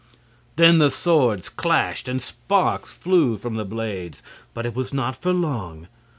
Then the swords clashed and sparks flew from the blades. But it was not for long.